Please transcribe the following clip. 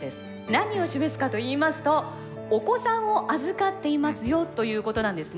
何を示すかといいますと「お子さんを預かっていますよ」ということなんですね。